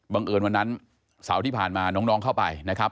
เอิญวันนั้นเสาร์ที่ผ่านมาน้องเข้าไปนะครับ